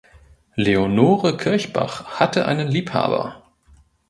Leonore Kirchbach hatte einen Liebhaber.